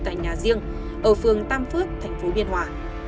tại nhà riêng ở phường tam phước tp biên hòa